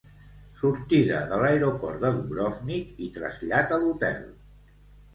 Sortida de l'aeroport de Dubrovnik i trasllat a l'hotel.